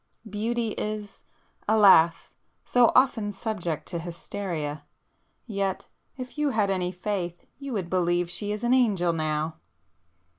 Beauty is, alas!—so often subject to hysteria! Yet—if you had any faith, you would believe she is an angel now!"